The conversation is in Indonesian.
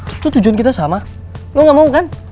itu tujuan kita sama lu ga mau kan